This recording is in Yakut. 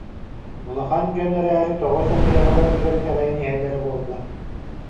Улахан дьон эрээри тоҕо сымыйаҕа барытыгар итэҕэйэн иһэллэрэ буолла